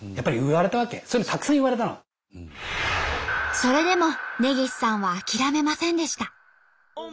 それでも根岸さんは諦めませんでした。